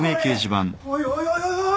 おいおいおいおい！